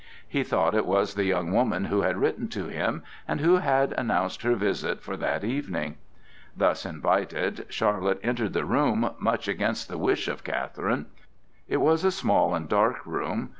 He thought it was the young woman who had written to him, and who had announced her visit for that evening. Thus invited, Charlotte entered the room, much against the wish of Catherine. It was a small and dark room.